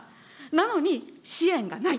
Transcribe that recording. なのに支援がない。